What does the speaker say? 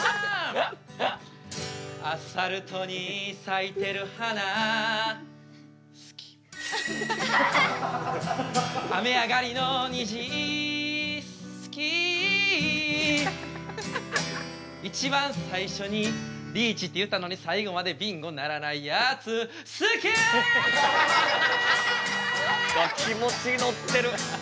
アスファルトに咲いてる花好き雨上がりのにじ好き一番最初にリーチって言ったのに最後までビンゴにならないやつ好きうわ気持ち乗ってる！